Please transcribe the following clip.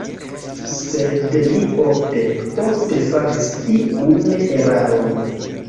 Sed mi ofte, ofte faris tiun eraron.